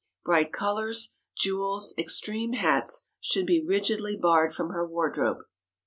Bright colors, jewels, extreme hats should be rigidly barred from her wardrobe.